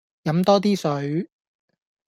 飲多啲水